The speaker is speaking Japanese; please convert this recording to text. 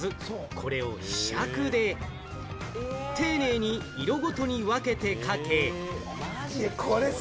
これをひしゃくで丁寧に色ごとに分けてかけ。